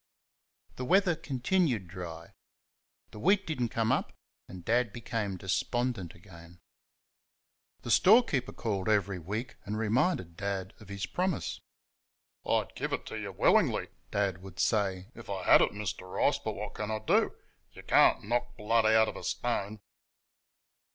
The weather continued dry. The wheat did n't come up, and Dad became despondent again. The storekeeper called every week and reminded Dad of his promise. "I would give it you willingly," Dad would say, "if I had it, Mr. Rice; but what can I do? You can't knock blood out of a stone."